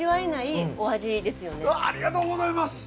わぁありがとうございます！